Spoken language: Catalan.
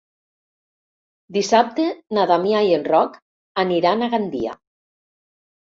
Dissabte na Damià i en Roc aniran a Gandia.